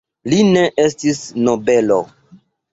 Li ne estis nobelo.